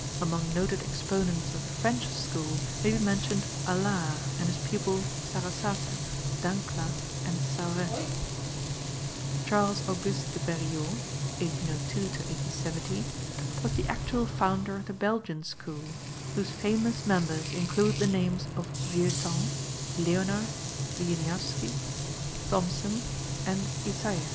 Among noted exponents of the French school may be mentioned Alard and his pupil Sarasate, Dancla and Sauret. Charles August de Beriot (1802 1870) was the actual founder of the Belgian school whose famous members include the names of Vieuxtemps, Leonard, Wieniawski, Thomson and Ysaye.